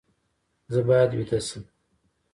زه باید ویده شم